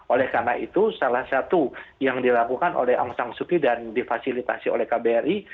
oleh karena itu salah satu yang dilakukan oleh aung samsuti dan difasilitasi oleh kbri